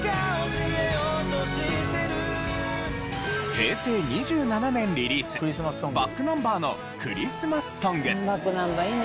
平成２７年リリースｂａｃｋｎｕｍｂｅｒの『クリスマスソング』。